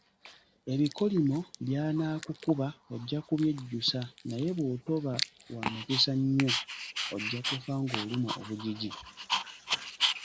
Ebikolimo byanaakukuba ojja kubyejjusa naye bw'otoba wa mukisa nnyo, ojja kufa ng'olumwa obugigi.